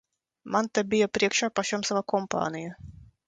Man te bija priekšā pašam sava kompānija.